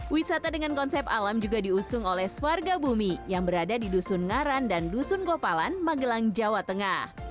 wisata dengan konsep alam juga diusung oleh sewarga bumi yang berada di dusun ngaran dan dusun gopalan magelang jawa tengah